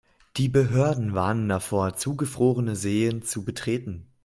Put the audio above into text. Die Behörden warnen davor, zugefrorene Seen zu betreten.